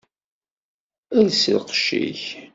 Els lqecc-ik!